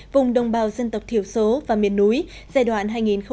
vùng đồng bào dân tộc thiểu số và miền núi giai đoạn hai nghìn hai mươi một hai nghìn ba mươi